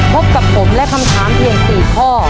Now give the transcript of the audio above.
พบกับผมและคำถามเพียง๔ข้อ